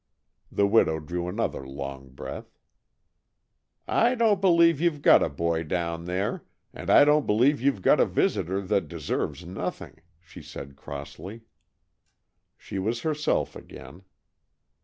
The widow drew another long breath. "I don't believe you've got a boy down there, and I don't believe you've got a visitor that deserves nothing," she said crossly. She was herself again.